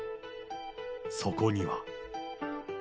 そこには。